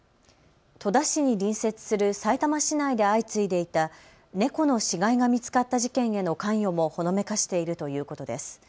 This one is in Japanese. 戸田市に隣接するさいたま市内で相次いでいた猫の死骸が見つかった事件への関与もほのめかしているということです。